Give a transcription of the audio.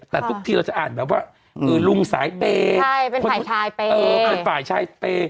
แต่ทุกทีเราจะอ่านแบบว่าคือลุงสายเป้ใช่เป็นฝ่ายชายเป้